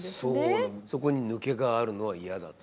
そこに抜けがあるのは嫌だと。